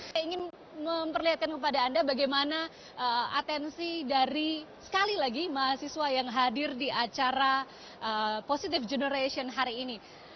saya ingin memperlihatkan kepada anda bagaimana atensi dari sekali lagi mahasiswa yang hadir di acara positive generation hari ini